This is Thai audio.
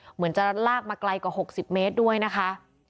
เหมือนจะลากมาไกลกว่า๖๐เมตรด้วยนะคะ